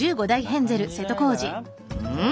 うん？